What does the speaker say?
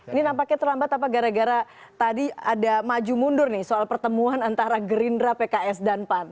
ini nampaknya terlambat apa gara gara tadi ada maju mundur nih soal pertemuan antara gerindra pks dan pan